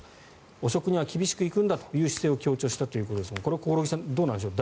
汚職には厳しくいくんだという姿勢を強調したんですがこれは興梠さんどうなんでしょう。